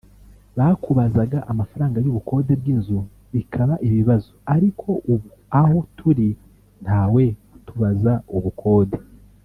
Bakubazaga amafaranga y’ubukode bw’inzu bikaba ibibazo ariko ubu aho turi ntawe utubaza ubukode